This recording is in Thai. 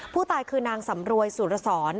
ผู้ตายคือนางสำรวยสุรสร